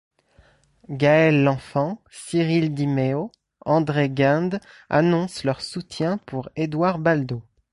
Gaëlle Lenfant, Cyril Di Méo, André Guinde annoncent leur soutien pour Édouard Baldo.